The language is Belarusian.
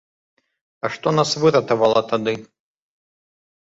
А што нас выратавала тады?